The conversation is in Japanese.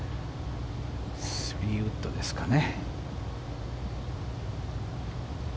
３ウッドですかね。